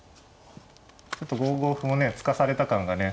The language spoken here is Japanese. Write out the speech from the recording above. ちょっと５五歩をね突かされた感がね